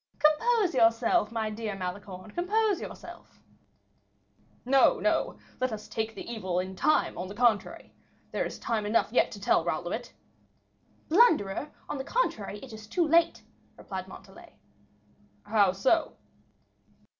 "Compose yourself, my dear Malicorne, compose yourself." "No, no; let us take the evil in time, on the contrary. There is time enough yet to tell Raoul of it." "Blunderer, on the contrary, it is too late," replied Montalais. "How so?"